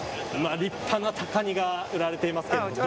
立派なカニが売られていますけど。